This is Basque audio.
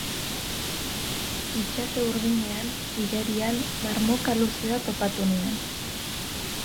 Itxaso urdinean, igerian, marmoka luzea topatu nuen